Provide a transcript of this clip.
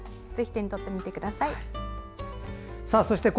ぜひ手に取ってみてください。